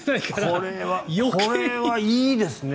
これはいいですね。